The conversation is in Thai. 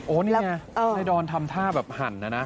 โอ้นี่ไงนายดอนทำท่าแบบหันนะ